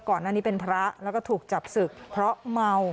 ก่อนหน้านี้เป็นพระแล้วก็ถูกจับศึกเพราะเมา